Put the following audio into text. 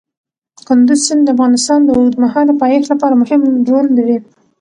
کندز سیند د افغانستان د اوږدمهاله پایښت لپاره مهم رول لري.